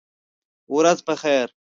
ورځ په خیر !